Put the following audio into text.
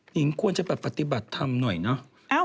นิ้งควรจะปฏิบัติทำหน่อยเนอะ